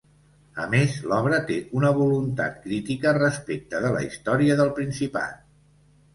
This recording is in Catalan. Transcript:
A més, l’obra té una voluntat crítica respecte de la història del Principat.